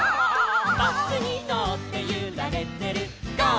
「バスにのってゆられてるゴー！